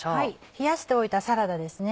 冷やしておいたサラダですね。